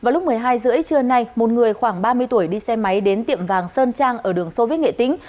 vào lúc một mươi hai h ba mươi trưa nay một người khoảng ba mươi tuổi đi xe máy đến tiệm vàng sơn trang ở đường sô viết nghệ tĩnh